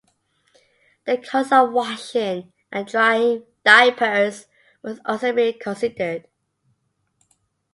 The cost of washing and drying diapers must also be considered.